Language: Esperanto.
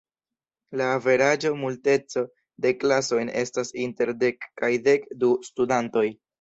La averaĝo multeco de klasojn estas inter dek kaj dek du studantoj.